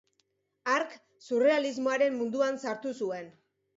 Hark surrealismoaren munduan sartu zuen.